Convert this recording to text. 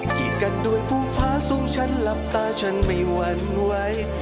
กีดกันด้วยภูฟ้าทรงฉันหลับตาฉันไม่หวั่นไหว